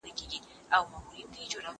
زه له سهاره پوښتنه کوم!